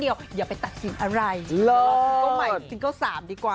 อย่าไปตัดสินอะไร